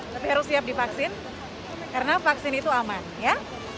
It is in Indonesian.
tapi harus siap divaksin karena vaksin itu aman ya